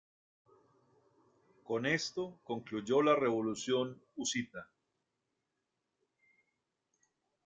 Con esto, concluyó la revolución husita.